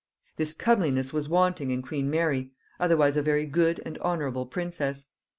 This comeliness was wanting in queen Mary, otherwise a very good and honorable princess.